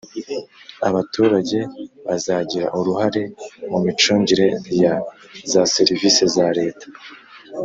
abaturage bazagira uruhare mu micungire ya za serivisi za leta